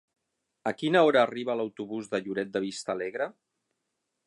A quina hora arriba l'autobús de Lloret de Vistalegre?